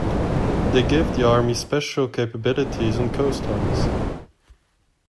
They give the army special capabilities on coastlines.